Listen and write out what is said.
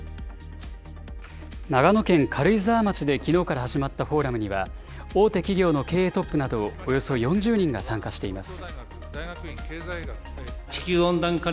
長野県軽井沢町できのうから始まったフォーラムには、大手企業の経営トップなどおよそ４０人が参加しています。